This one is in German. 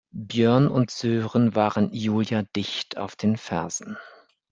Björn und Sören waren Julia dicht auf den Fersen.